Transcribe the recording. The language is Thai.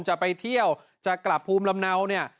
จะไปเที่ยวจะกลับภูมิลำเนาเนี่ย